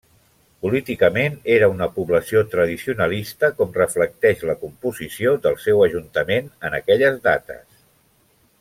Políticament era una població tradicionalista com reflecteix la composició del seu ajuntament en aquelles dates.